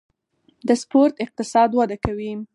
د سپورت اقتصاد وده کوي